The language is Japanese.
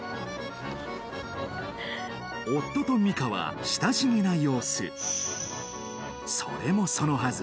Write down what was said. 夫と美香は親しげな様子それもそのはず